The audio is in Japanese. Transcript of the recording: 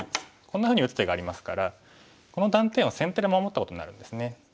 こんなふうに打つ手がありますからこの断点を先手で守ったことになるんですね。